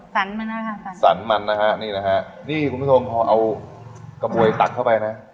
สันมันนะคะสรรมันนะฮะนี่นะฮะนี่คุณผู้ชมพอเอากระบวยตักเข้าไปนะ